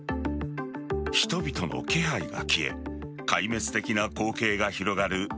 人々の気配が消え壊滅的な光景が広がる